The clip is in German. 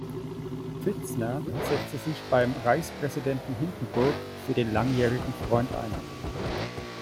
Pfitzner setzte sich beim Reichspräsidenten Hindenburg für den langjährigen Freund ein.